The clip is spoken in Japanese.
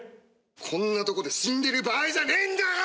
「こんなとこで死んでる場合じゃねえんだよ！」